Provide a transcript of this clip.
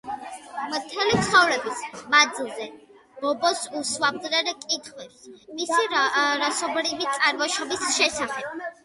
მთელი ცხოვრების მანძილზე ბობს უსვამდნენ კითხვებს მისი რასობრივი წარმოშობის შესახებ.